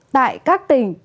tại các tỉnh